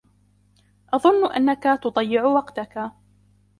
أظن أنك تضيع وقتك.